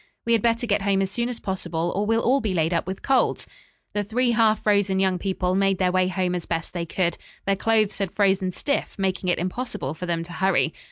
"We had better get home as soon as possible or we'll all be laid up with colds." The three half frozen young people made their way home as best they could. Their clothes had frozen stiff, making it impossible for them to hurry.